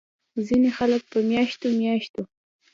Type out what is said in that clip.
ځينې خلک پۀ مياشتو مياشتو